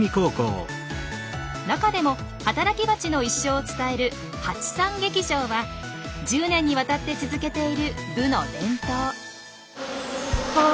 中でも働きバチの一生を伝える「ハチさん劇場」は１０年にわたって続けている部の伝統。